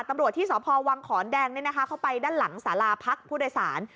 ตำรวจที่สพวังขอนแดงเข้าไปด้านหลังสาราพักผู้โดยสาร